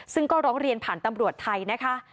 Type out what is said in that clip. ซึ่งก็ร้องเรียนผ่านตำรวจไทยนะคะ